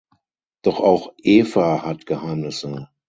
Doch auch Eva hat Geheimnisse.